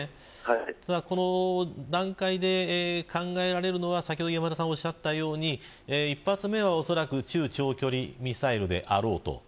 この段階で考えられるのは先ほど磐村さんがおっしゃったように１発目は中長距離ミサイルであろう。